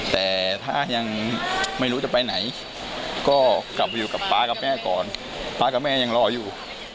แต่ถ้ายังไม่รู้จะไปไหนก็กลับไปอยู่กับป๊ากับแม่ก่อนป๊ากับแม่ยังรออยู่